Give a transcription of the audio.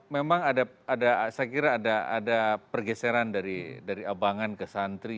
memang ada saya kira ada pergeseran dari abangan ke santri